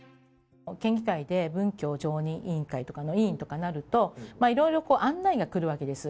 県議会で文教常任委員会とかの委員とかになると、いろいろ案内がくるわけです。